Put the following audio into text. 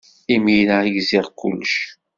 Imir-a, gziɣ kullec.